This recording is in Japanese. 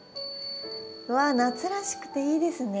うわ夏らしくていいですね。